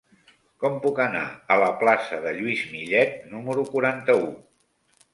Com puc anar a la plaça de Lluís Millet número quaranta-u?